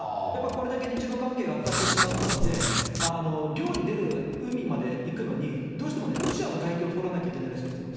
これだけ日ロ関係が悪化してしまったので、漁に出る海まで行くのに、どうしてもロシアの海峡を通らなくてはいけないらしいんですよ。